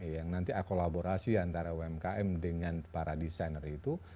yang nanti kolaborasi antara umkm dengan para desainer itu